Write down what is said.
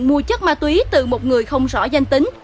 mua chất ma túy từ một người không rõ danh tính